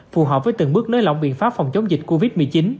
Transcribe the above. phù hợp với từng bước nới lỏng biện pháp phòng chống dịch covid một mươi chín